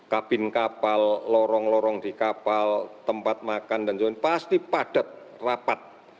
kabin kapal lorong lorong di kapal tempat makan dan sebagainya pasti padat rapat